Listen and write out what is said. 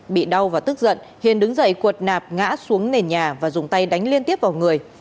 bị đau và tức giận hiền đứng dậy cuột nạp ngã xuống nền nhà và dùng tay đánh liên tiếp vào người